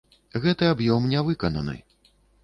Гэты аб'ём не выкананы.